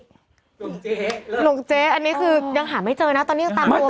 หลวงเจหลวงเจอันนี้คือยังหาไม่เจอนะตอนนี้ตามตัวไม่เจอ